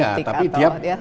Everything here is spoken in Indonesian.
oh iya tapi dia punya